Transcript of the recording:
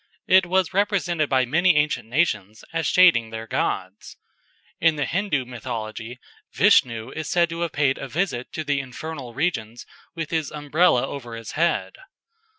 It was represented by many ancient nations as shading their gods. In the Hindoo mythology Vishnu is said to have paid a visit to the infernal regions with his Umbrella over his head.